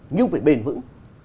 nhưng phải bền vững